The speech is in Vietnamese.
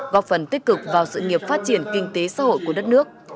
góp phần tích cực vào sự nghiệp phát triển kinh tế xã hội của đất nước